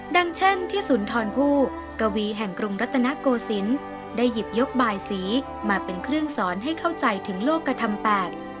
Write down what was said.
ดังเช่นที่สุนทรผู้กวีแห่งกรุงรัตนโกศิลป์ได้หยิบยกบายสีมาเป็นเครื่องสอนให้เข้าใจถึงโลกกระทำแปด